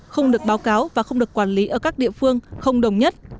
không được báo cáo và không được quản lý ở các địa phương không đồng nhất